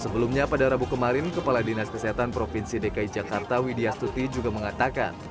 sebelumnya pada rabu kemarin kepala dinas kesehatan provinsi dki jakarta widya stuti juga mengatakan